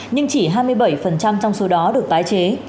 nhưng chỉ hai mươi bảy trong số đó được tái chế